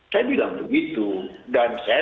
saya bilang begitu dan saya